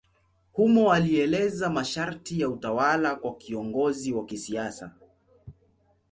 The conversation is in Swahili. Humo alieleza masharti ya utawala kwa kiongozi wa kisiasa.